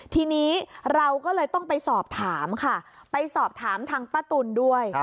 ทีนี้เราก็เลยต้องไปสอบถามค่ะไปสอบถามทางป้าตุ๋นด้วย